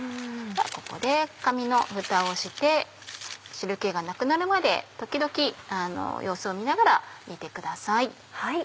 ここで紙のフタをして汁気がなくなるまで時々様子を見ながら煮てください。